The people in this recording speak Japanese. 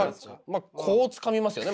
まあこうつかみますよね。